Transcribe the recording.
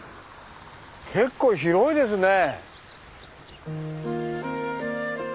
結構広いですね。